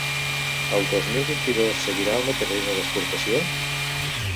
El dos mil vint-i-dos seguirà el mateix ritme d’exportació?